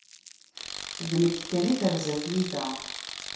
D nekk kan i terza tyita!